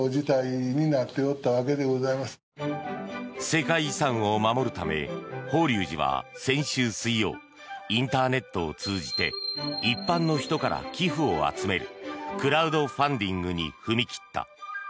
世界遺産を守るため法隆寺は先週水曜インターネットを通じて一般の人から寄付を集めるクラウドファンディングに踏み切った。